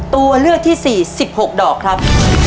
ตัวเลือกที่๔๑๖ดอกครับ